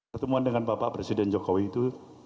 pertemuan dengan bapak presiden jokowi itu